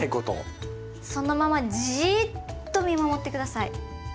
そのままじっと見守って下さい。